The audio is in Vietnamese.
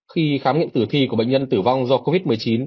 khi khám nghiệm tử thi của bệnh nhân tử vong do covid một mươi chín